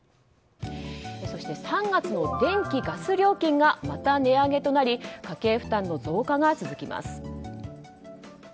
そして、３月の電気・ガス料金がまた値上げとなり家計負担の増加が続きます。